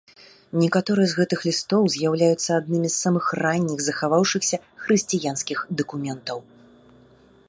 Некаторыя з гэтых лістоў з'яўляюцца аднымі з самых ранніх захаваўшыхся хрысціянскіх дакументаў.